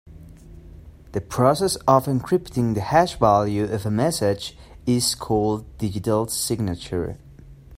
The process of encrypting the hash value of a message is called digital signature.